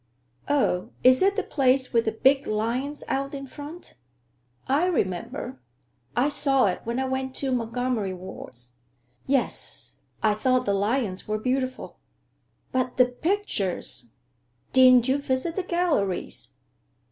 "Oh, is it the place with the big lions out in front? I remember; I saw it when I went to Montgomery Ward's. Yes, I thought the lions were beautiful." "But the pictures! Didn't you visit the galleries?"